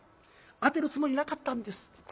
当てるつもりなかったんです。